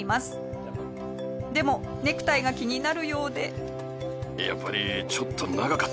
でもネクタイが気になるようで。